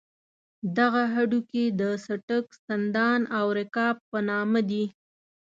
دغه هډوکي د څټک، سندان او رکاب په نامه دي.